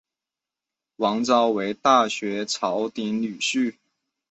王诏为大学士曹鼐女婿。